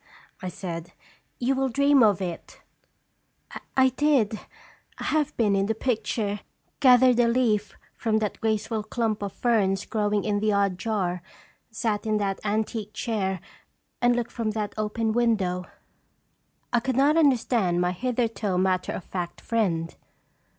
I said; "you will dream of it." Strag Beoeler. 83 " I did. 1 have been in the picture, gathered a leaf from that graceful clump of ferns grow ing in the odd jar, sat in that antique chair, and looked from that open window/' I could not understand my hitherto matter of fact friend.